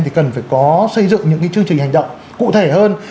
thì cần phải có xây dựng những cái chương trình hành động